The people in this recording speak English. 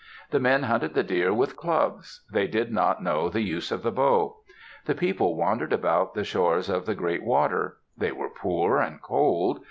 The men hunted the deer with clubs; they did not know the use of the bow. The people wandered about the shores of the great water. They were poor and cold.